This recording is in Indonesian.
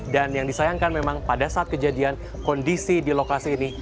dan yang disayangkan memang pada saat kejadian kondisi di lokasi ini